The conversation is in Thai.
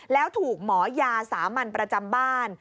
แล้วถูกหมอยาสามัญประจำบ้าน